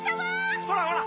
ほらほら！